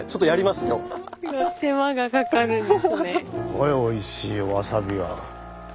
これおいしいよわさびは。